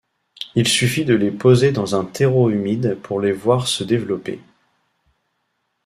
Il suffit de les poser dans un terreau humide pour les voir se développer.